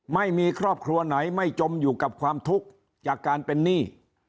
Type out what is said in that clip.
ไม่มีครอบครัวไหนไม่จมอยู่กับความทุกข์จากการเป็นหนี้